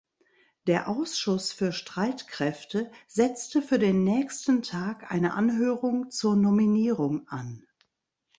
Der Ausschuss für Streitkräfte setzte für den nächsten Tag eine Anhörung zur Nominierung an.